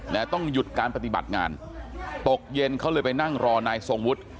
ต้องหยุดการปฏิบัติงานตกเย็นเขาเลยไปนั่งรอนายทรงวุฒิ